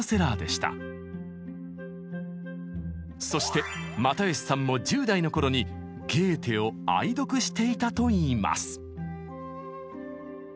そして又吉さんも１０代の頃にゲーテを愛読していたといいます。